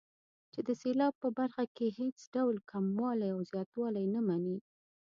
چې د سېلاب په برخه کې هېڅ ډول کموالی او زیاتوالی نه مني.